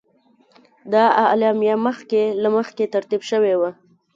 دا اعلامیه مخکې له مخکې ترتیب شوې وه.